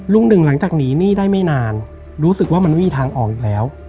หนึ่งหลังจากหนีหนี้ได้ไม่นานรู้สึกว่ามันไม่มีทางออกอีกแล้ว